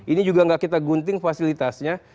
ini juga nggak kita gunting fasilitasnya